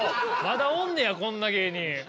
まだおんねやこんな芸人。